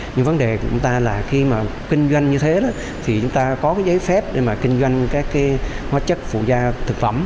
nhưng vấn đề của chúng ta là khi mà kinh doanh như thế thì chúng ta có cái giấy phép để mà kinh doanh các cái hóa chất phụ da thực phẩm